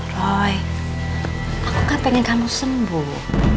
roy aku gak pengen kamu sembuh